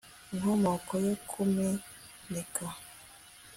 inkomoko yo kumeneka